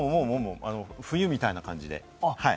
冬みたいな感じで？